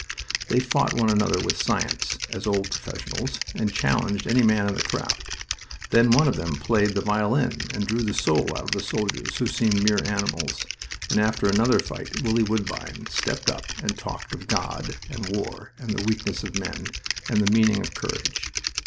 They fought one another with science (as old professionals) and challenged any man in the crowd. Then one of them played the violin and drew the soul out of soldiers who seemed mere animals, and after another fight Willie Woodbine stepped up and talked of God, and war, and the weakness of men, and the meaning of courage.